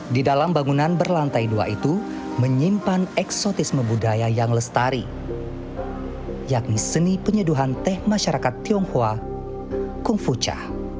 di dalam bangunan berlantai dua itu menyimpan eksotisme budaya yang lestari yakni seni penyeduhan teh masyarakat tionghoa kung fucha